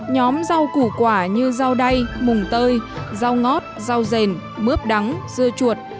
nhóm rau củ quả như rau đay mùng tơi rau ngót rau rèn mướp đắng dưa chuột